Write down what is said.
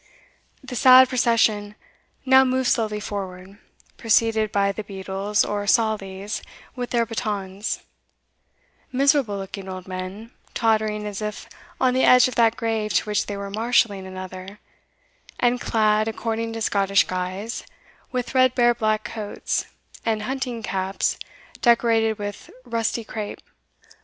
The sad procession now moved slowly forward, preceded by the beadles, or saulies, with their batons, miserable looking old men, tottering as if on the edge of that grave to which they were marshalling another, and clad, according to Scottish guise, with threadbare black coats, and hunting caps decorated with rusty crape.